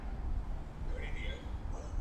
که ډنډر وي نو ګل نه مړاوی کیږي.